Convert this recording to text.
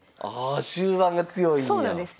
ああ終盤が強いんや。